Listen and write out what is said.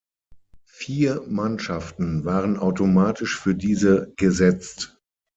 Vier Mannschaften waren automatisch für diese gesetzt.